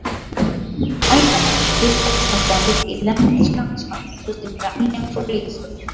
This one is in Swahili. Aidha ameshiriki katika kuandika Ilani ya Chama cha Mapinduzi mara nne mfululizo